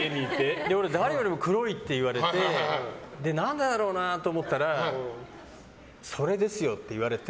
俺、誰よりも黒いって言われて何でだろうなって思ったらそれですよって言われて。